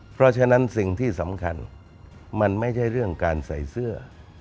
เพราะฉะนั้นสิ่งที่สำคัญมันไม่ใช่เรื่องการใส่เสื้อ